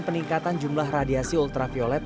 peningkatan jumlah radiasi ultraviolet